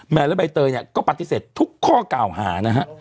และใบเตยเนี่ยก็ปฏิเสธทุกข้อกล่าวหานะฮะ